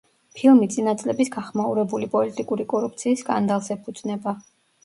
ფილმი წინა წლების გახმაურებული პოლიტიკური კორუფციის სკანდალს ეფუძნება.